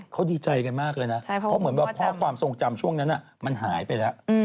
เขาดีใจกันมากเลยนะเพราะเหมือนแบบข้อความทรงจำช่วงนั้นมันหายไปแล้ว